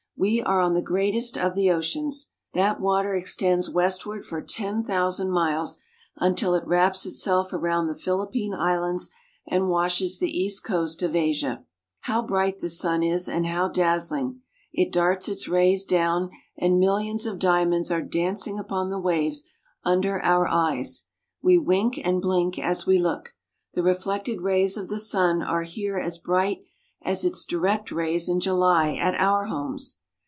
We are on the greatest of the oceans. That wa ter extends west ward for ten thou sand miles until it wraps itself around the Philippine Is lands and washes the east coast of Asia. How bright the sun is, and how dazzling! It darts its rays down, and Colombia. millions of dia monds are dancing upon the waves under our eyes. We wink and blink as we look. The reflected rays of the sun are here as bright as its direct rays in July at our homes.